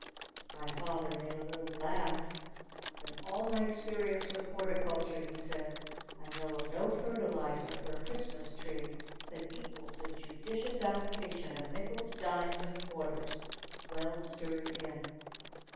My father made a little laugh. "In all my experience with horticulture," he said, "I know of no fertilizer for a Christmas tree that equals a judicious application of nickels, dimes, and quarters well stirred in."